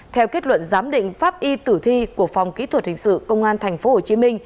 theo kết luận giám định pháp y tử thi của phòng kỹ thuật hình sự công an tp hcm